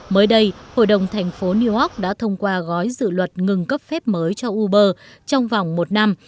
mới đây hội đồng thành phố new york đã thông qua gói dự luật ngừng cấp phép mới cho uber trong vòng một năm